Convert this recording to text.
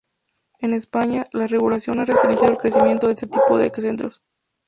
En España, la regulación ha restringido el crecimiento de este tipo de centros.